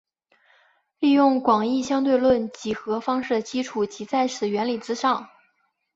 利用广义相对论几何方式的基础即在此原理之上。